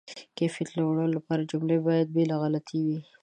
د کیفیت لوړولو لپاره، جملې باید بې له غلطۍ وي.